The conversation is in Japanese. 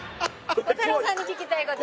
孝太郎さんに聞きたいこと。